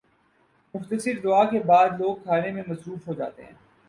مختصر دعا کے بعد لوگ کھانے میں مصروف ہو جاتے ہیں۔